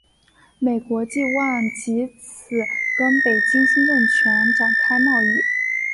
英国冀望藉此跟北京新政权展开贸易。